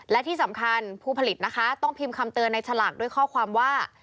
และที่สำคัญผู้ผลิตนะคะต้องพิมพ์คำเตือนในฉลากด้วยข้อความว่า